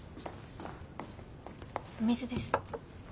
お水です。